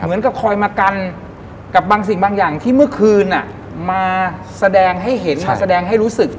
เหมือนกับคอยมากันกับบางสิ่งบางอย่างที่เมื่อคืนมาแสดงให้เห็นมาแสดงให้รู้สึก